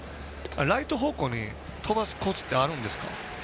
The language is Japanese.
ライト方向に飛ばすコツってあるんですか？